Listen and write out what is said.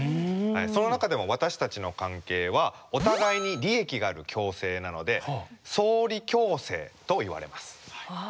その中でも私たちの関係はお互いに利益がある共生なので「相利共生」といわれます。